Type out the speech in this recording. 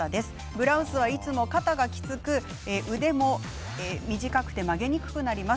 ブラウスはいつも肩がきつく腕も短くて曲げにくくなります。